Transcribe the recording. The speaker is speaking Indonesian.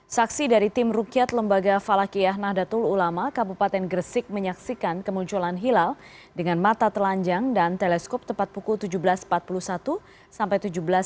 saksi dari tim rukyat lembaga falakiyah nahdlatul ulama kabupaten gresik menyaksikan kemunculan hilal dengan mata telanjang dan teleskop tepat pukul tujuh belas empat puluh satu sampai tujuh belas tiga puluh